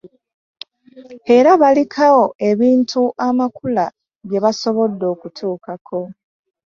Era baliko ebintu amakula bye basobodde okutuukako.